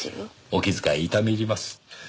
お気遣い痛み入ります。